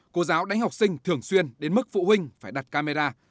cô giáo đánh học sinh thường xuyên đến mức phụ huynh phải đặt camera